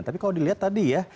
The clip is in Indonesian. tapi kalau dilihat tadi ya